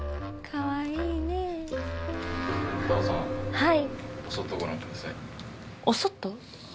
はい。